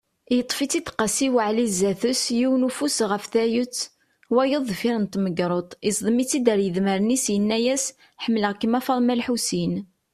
Yeṭṭef-itt-id Qasi waɛli zdat-s, yiwen ufus ɣef wayet, tayeḍ deffir n temgerḍt, iẓmeḍ-itt-id ar yidmaren-is, yenna-yas: Ḥemmleɣ-kem a Faḍma lḥusin.